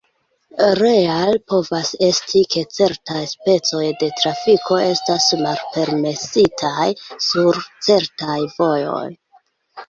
Reale povas esti, ke certaj specoj de trafiko estas malpermesitaj sur certaj vojoj.